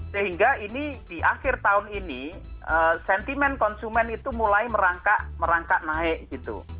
sehingga ini di akhir tahun ini sentimen konsumen itu mulai merangkak merangkak naik gitu